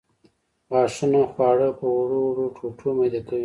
غاښونه خواړه په وړو وړو ټوټو میده کوي.